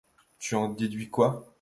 Tu en déduis quoi ?